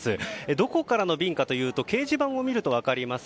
どこからの便かというと掲示板を見ると分かります。